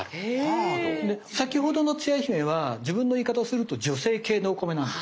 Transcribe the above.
先ほどのつや姫は自分の言い方をすると女性系のお米なんですね。